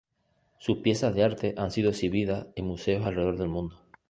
Sus piezas de arte han sido exhibidas en museos alrededor del mundo.